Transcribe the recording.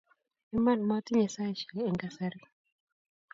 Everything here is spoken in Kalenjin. iman motinye saisiek en kasari